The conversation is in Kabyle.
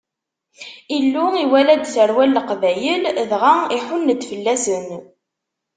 Illu iwala-d tarwa n Leqbayel, dɣa iḥunn-d fell-asen.